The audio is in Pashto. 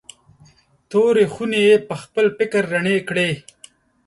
تورې خونې یې پخپل فکر رڼې کړې.